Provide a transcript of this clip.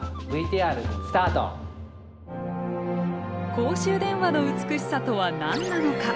公衆電話の美しさとは何なのか。